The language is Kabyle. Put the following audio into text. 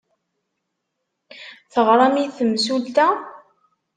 Teɣram i temsulta?